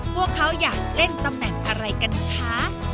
พวกเขาอยากเล่นตำแหน่งอะไรกันคะ